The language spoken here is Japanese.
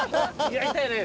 やりたいね